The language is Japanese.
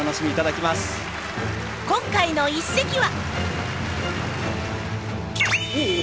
今回の一席は。